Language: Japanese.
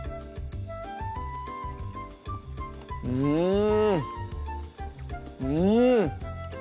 うんうん！